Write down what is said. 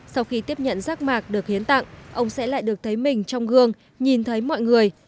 sau khi tiếp nhận rác mạc được hiến tặng ông sẽ lại được thấy mình trong gương nhìn thấy mọi người